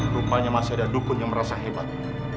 rupanya masih ada dukun yang merasa hebat